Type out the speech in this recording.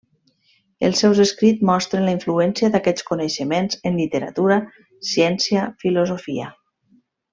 Els seus escrits mostren la influència d'aquests coneixements en literatura, ciència, filosofia.